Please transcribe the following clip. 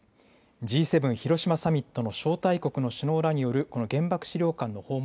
Ｇ７広島サミットの招待国の首脳らによる原爆資料館の訪問